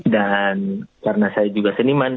dan karena saya juga seniman